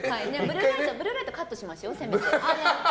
ブルーライトカットしましょう、せめて。